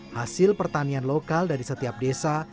hasil pertanian lokal dari setiap desa